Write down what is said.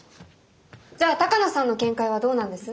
じゃあ鷹野さんの見解はどうなんです？